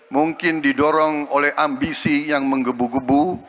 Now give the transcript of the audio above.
mungkin didorong oleh ambisi yang menggebu gebu